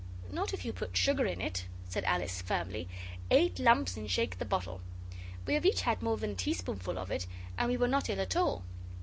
'Not if you put sugar in it,' said Alice firmly; 'eight lumps and shake the bottle. We have each had more than a teaspoonful of it, and we were not ill at all.